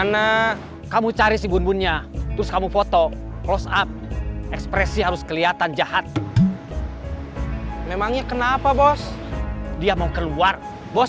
waktu itu saya lagi jualan terus kamu lewat saya tanya silok teh kamu bilang enggak terus